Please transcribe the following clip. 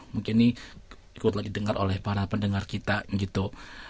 mungkin ini ikut lagi dengar oleh para pendengar kita gitu